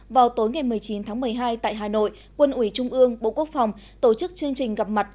vào tối ngày một mươi chín tháng một mươi hai tại hà nội quân ủy trung ương bộ quốc phòng tổ chức chương trình gặp mặt